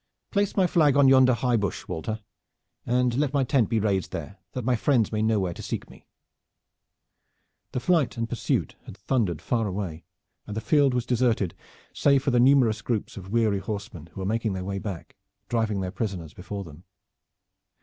Place my flag on yonder high bush, Walter, and let my tent be raised there, that my friends may know where to seek me." The flight and pursuit had thundered far away, and the field was deserted save for the numerous groups of weary horsemen who were making their way back, driving their prisoners before them.